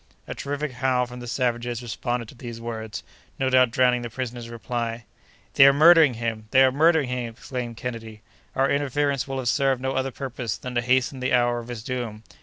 A terrific howl from the savages responded to these words—no doubt drowning the prisoner's reply. "They are murdering him! they are murdering him!" exclaimed Kennedy. "Our interference will have served no other purpose than to hasten the hour of his doom.